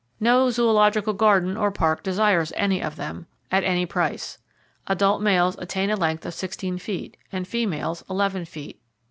No zoological garden or park desires any of them, at any price. Adult males attain a length of sixteen feet, and females eleven feet.